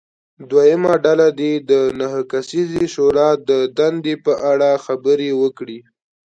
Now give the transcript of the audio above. دویمه ډله دې د نهه کسیزې شورا د دندې په اړه خبرې وکړي.